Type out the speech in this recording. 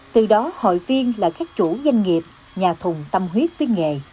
từ đó hội viên là các chủ doanh nghiệp nhà thùng tâm huyết với nghề